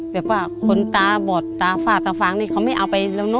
แบบว่าคนเตาที่บดเตาฝากเตาฝากเนี่ยเค้าไม่เอาไปแล้วเนอะ